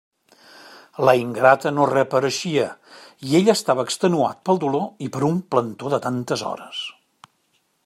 La ingrata no reapareixia, i ell estava extenuat pel dolor i per un plantó de tantes hores.